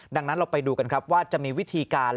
ดังนั้นเราไปดูกันครับว่าจะมีวิธีการ